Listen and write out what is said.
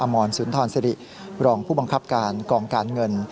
มรสุนทรสิริรองผู้บังคับการกองการเงิน